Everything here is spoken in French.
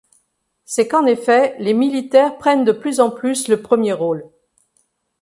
C'est qu'en effet, les militaires prennent de plus en plus le premier rôle.